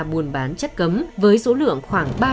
buôn bán chất cấm với số lượng khoảng